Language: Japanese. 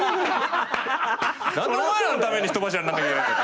何でお前らのために人柱になんなきゃいけないんだ。